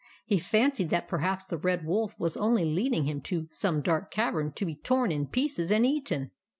He fancied that perhaps the Red Wolf was only leading him to some dark cavern to be torn in pieces and eaten.